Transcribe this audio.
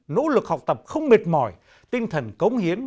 nỗ lực học tập không mệt mỏi tinh thần cống hiến